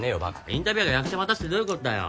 インタビュアーが役者待たすってどういうことだよ。